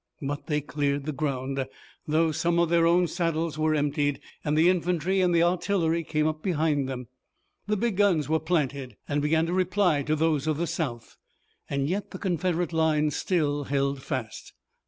But they cleared the ground, though some of their own saddles were emptied, and the infantry and the artillery came up behind them. The big guns were planted and began to reply to those of the South. Yet the Confederate lines still held fast.